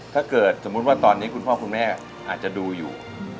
ถ้าเกิดสมมุติว่าตอนนี้คุณพ่อคุณแม่อาจจะดูอยู่